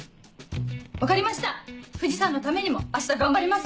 分かりました藤さんのためにも明日頑張ります。